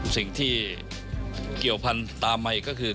สิ่งที่เกี่ยวพันธุ์ตามมาอีกก็คือ